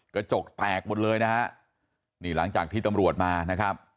กระจกแตกหมดเลยนะฮะนี่หลังจากที่ตำรวจมานะครับ